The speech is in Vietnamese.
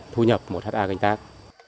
thu nhập một ha canh tác